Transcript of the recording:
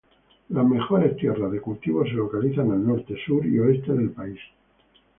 Las mejores tierras de cultivo se localizan al norte, sur y oeste del país.